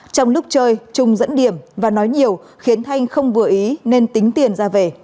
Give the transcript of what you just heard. trong lúc chơi trung dẫn điểm và nói nhiều khiến thanh không vừa ý nên tính tiền ra về